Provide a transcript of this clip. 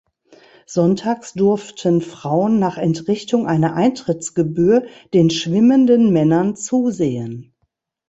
Sonntags durften Frauen nach Entrichtung einer Eintrittsgebühr den schwimmenden Männern zusehen.